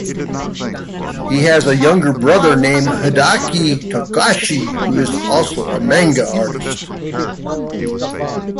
He has a younger brother named Hideaki Togashi, who is also a manga artist.